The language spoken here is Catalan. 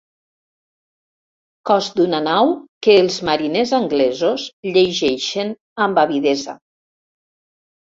Cos d'una nau que els mariners anglesos llegeixen amb avidesa.